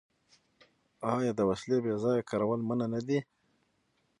آیا د وسلې بې ځایه کارول منع نه دي؟